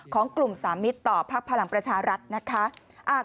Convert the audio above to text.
ของกลุ่มสามมิตรต่อพักพลังประชารัฐนะคะ